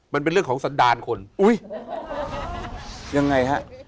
มันเป็นเรื่องของสันดาลคนอุ้ยยังไงฮะ